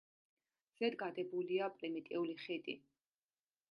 ზედ გადებულია პრიმიტიული ხიდი.